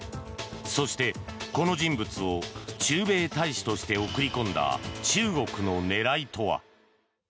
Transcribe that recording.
そして、この人物を駐米大使として送り込んだ中国の狙いとは。